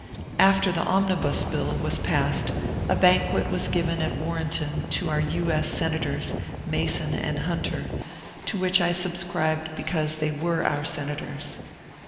After the ^'Omnibus" Bill was passed, a banquet was given at Warrenton to our (U. S.) senators. Mason and Hunter, to which I subscribed because they were our senators.